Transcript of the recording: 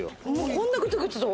こんなグツグツと。